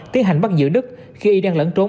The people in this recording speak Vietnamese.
tiến hành bắt giữ đức khi đang lẫn trốn